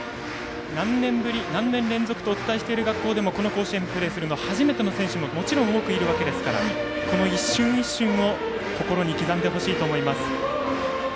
何年ぶり、何年連続とお伝えしている学校でもこの甲子園でプレーするのが初めての選手ももちろん多くいるわけですからこの一瞬一瞬を心に刻んでほしいと思います。